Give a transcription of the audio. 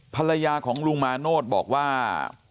ภรรยาของลุงมาโนธบอกว่า